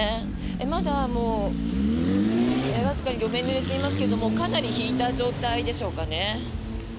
まだわずかに路面がぬれていますけどもかなり引いた状態でしょうかね。